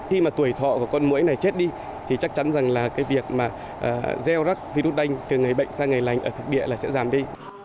khi mà tuổi thọ của con mũi này chết đi thì chắc chắn rằng là cái việc mà gieo rắc virus đanh từ người bệnh sang người lành ở thực địa là sẽ giảm đi